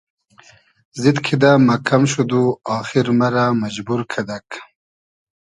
زید کیدۂ مئکئم شود و آخیر مئرۂ مئجبور کئدئگ